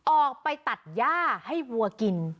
ออกไปตัดย่าให้วัวกิน